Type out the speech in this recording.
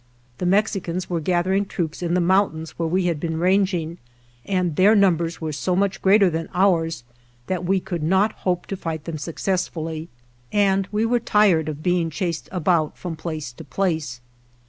The Mexicans were gath ering troops in the mountains where we had been ranging, and their numbers were so much greater than ours that we could not hope to fight them successfully, and we were 105 GERONIMO tired of being chased about from place to place.